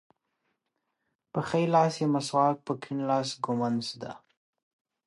په ښي لاس یې مسواک په کیڼ لاس ږمونځ ده.